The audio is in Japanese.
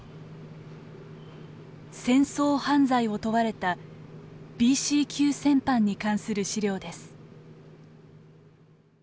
戦争犯罪を問われたＢＣ級戦犯に関する史料です。